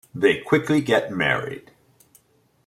They quickly get married.